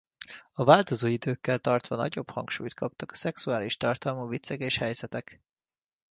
A változó időkkel tartva nagyobb hangsúlyt kaptak a szexuális tartalmú viccek és helyzetek.